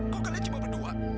kok kalian cuma berdua